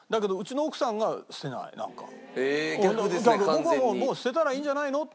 僕はもう捨てたらいいんじゃないのって。